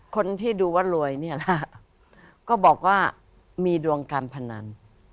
คนที่ดูว่ารวยนี่แหละก็บอกว่ามีดวงการพนัน